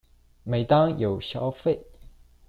每當有消費